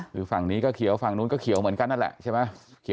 คือฝั่งนี้ก็เขียวฝั่งนู้นก็เขียวเหมือนกันนั่นแหละใช่ไหม